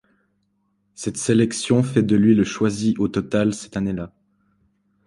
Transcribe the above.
Cette sélection fait de lui le choisi au total cette année-là.